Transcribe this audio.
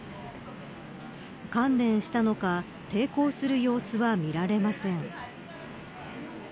観念したのか抵抗する様子は見られません。